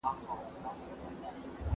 خواړه باید د بدن له حال سره برابر وي.